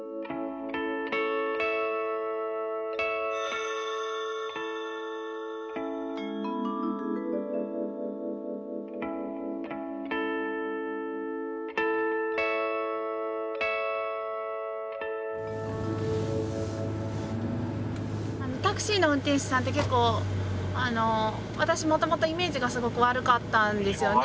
あのタクシーの運転手さんって結構私もともとイメージがすごく悪かったんですよね。